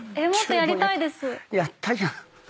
やったじゃん。